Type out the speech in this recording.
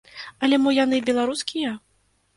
Але мо яны беларускія?